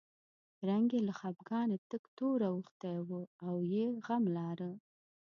رنګ یې له خپګانه تک تور اوښتی و او یې غم لاره.